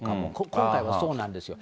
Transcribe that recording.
今回はそうなんですよ。